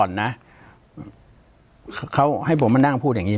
ปากกับภาคภูมิ